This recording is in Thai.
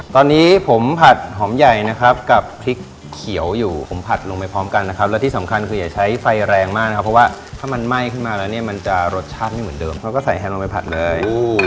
ตอนนี้ผมผัดหอมใหญ่นะครับกับพริกเขียวอยู่ผมผัดลงไปพร้อมกันนะครับแล้วที่สำคัญคืออย่าใช้ไฟแรงมากนะครับเพราะว่าถ้ามันไหม้ขึ้นมาแล้วเนี่ยมันจะรสชาติไม่เหมือนเดิมเขาก็ใส่แทนลงไปผัดเลย